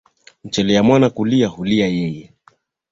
Mchelea mwana kulia hulia yeye